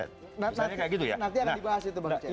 nanti akan dibahas itu pak jokowi